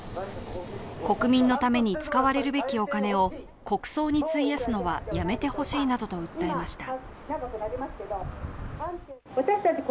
国民のために使われるべきお金を国葬に費やすのはやめてほしいなどと訴えました。